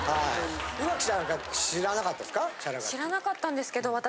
知らなかったんですけど私。